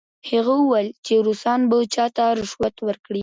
هغه وویل چې روسان به چا ته رشوت ورکړي؟